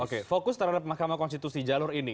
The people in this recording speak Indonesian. oke fokus terhadap mahkamah konstitusi jalur ini